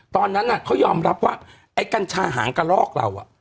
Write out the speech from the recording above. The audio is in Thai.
ตอนนั้นเขายอมรับว่าไอ้กัญชาหางกระลอกเรา